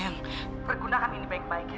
sayang pergunakan ini baik baik